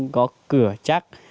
có cửa chắc